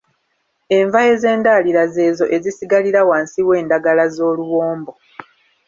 Enva ez'endalira ze ezo ezisigalira wansi w'endagala z'oluwombo.